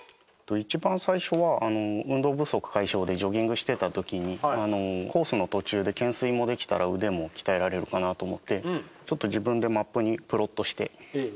一番最初は運動不足解消でジョギングしてた時にコースの途中で懸垂もできたら腕も鍛えられるかなと思ってちょっと自分でマップにプロットして。